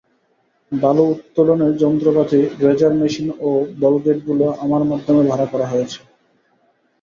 বালু উত্তোলনের যন্ত্রপাতি ড্রেজার মেশিন ও ভলগেটগুলো আমার মাধ্যমে ভাড়া করা হয়েছে।